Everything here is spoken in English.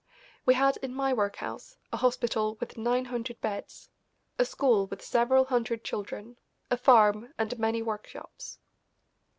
We had, in my workhouse, a hospital with nine hundred beds, a school with several hundred children, a farm, and many workshops.